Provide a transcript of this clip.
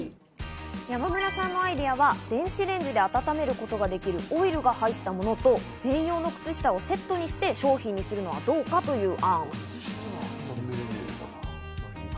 山村さんのアイデアは電子レンジで温めることができるオイルが入ったものと、専用の靴下をセットにして商品にするのはどうかという案。